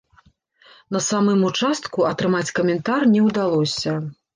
На самым участку атрымаць каментар не ўдалося.